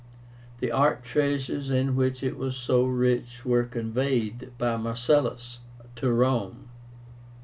The art treasures in which it was so rich were conveyed by Marcellus to Rome.